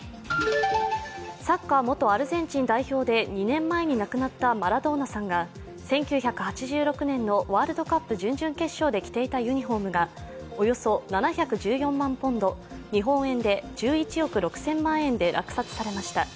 サッカー、元アルゼンチン代表で２年前に亡くなったマラドーナさんが１９８６年のワールドカップ準々決勝で来ていたユニフォームがおよそ７１４万ポンド日本円で１１億６０００万円で落札されました。